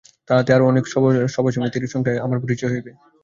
তাহাতে আরও অনেক সভাসমিতির সঙ্গে আমার পরিচয় হইবে।